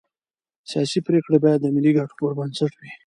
سیاسي پرېکړې باید د ملي ګټو پر بنسټ وي